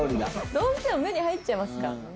どうしても目に入っちゃいますからね。